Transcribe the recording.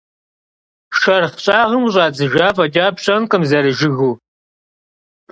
Şşerxh ş'ağım khış'idzıjja f'eç'a pş'enkhım zerı jjıgıu.